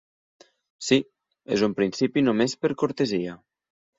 Sí, és un principi només per cortesia.